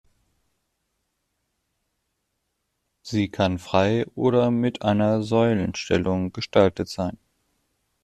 Sie kann frei oder mit einer Säulenstellung gestaltet sein.